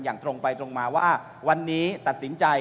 อย่างตรงไปตรงมาว่าวันนี้ตัดสินใจ